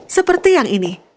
seperti yang ini